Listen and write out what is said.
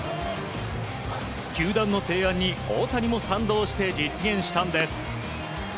球団の提案に大谷も賛同して実現したんです。